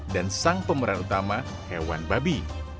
dan sang pemeran utama hewan babi